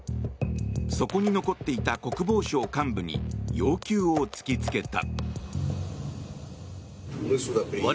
そこに残っていた国防省幹部に要求を突き付けた。